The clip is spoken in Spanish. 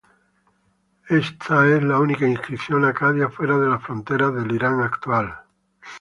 Esta es la única inscripción acadia fuera de las fronteras del Irán actual.